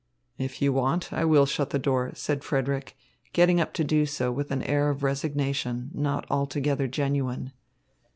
"If you want, I will shut the door," said Frederick, getting up to do so with an air of resignation not altogether genuine.